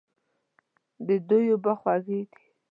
د دوی اوبه خوږې دي.